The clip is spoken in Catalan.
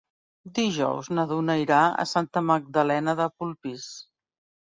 Dijous na Duna irà a Santa Magdalena de Polpís.